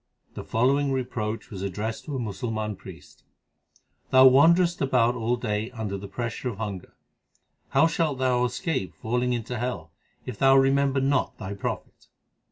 The following reproach was addressed to a Musal man priest : Thou wanderest about all day under the pressure of hunger : How shalt thou escape falling into hell, if thou remember not thy Prophet